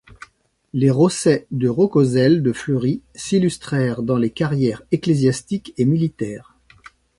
Les Rosset de Rocozels de Fleury, s'illustrèrent dans les carrières ecclésiastiques et militaires.